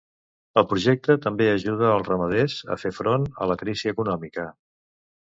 El projecte també ajuda els ramaders a fer front a la crisi econòmica.